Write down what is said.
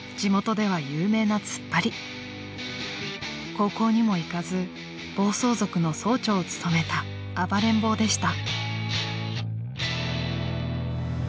［高校にも行かず暴走族の総長を務めた暴れん坊でした］